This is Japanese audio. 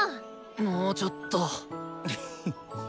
もうちょっと！